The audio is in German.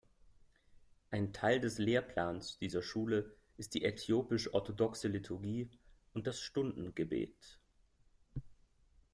Ein Teil des Lehrplans dieser Schule ist die äthiopisch-orthodoxe Liturgie und das Stundengebet.